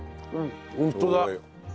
ホントだ。